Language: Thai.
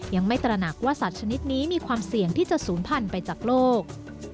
ยังไม่ตระหนักว่าสัตว์ชนิดนี้มีความเสี่ยงที่จะศูนย์พันธุ์ไปจากโลก